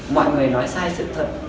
mọi người nói sai sự thật